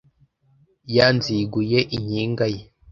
Ya Nziguye- inkiga ye